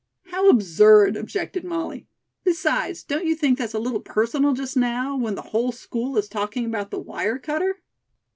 "How absurd," objected Molly. "Besides, don't you think that's a little personal just now, when the whole school is talking about the wire cutter?"